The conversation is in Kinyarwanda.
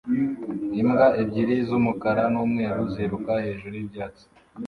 Imbwa ebyiri z'umukara n'umweru ziruka hejuru y'ibyatsi